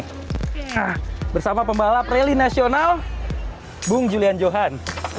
nah bersama pembalap rally nasional bung julian johan